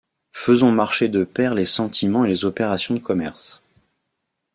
Faisons marcher de pair les sentiments et les opérations de commerce.